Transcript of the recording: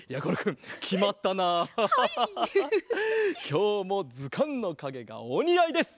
きょうもずかんのかげがおにあいです！